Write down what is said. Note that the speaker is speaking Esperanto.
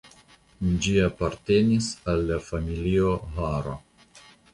Ĝi apartenis al la familio Haro.